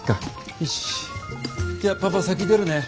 よしじゃあパパ先出るね。